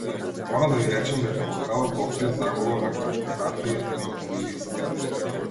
Морам да ви речам дека во градот постои заговор на картографи и филателисти.